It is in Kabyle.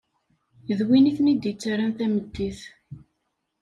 D win i ten-id-ttaren tameddit.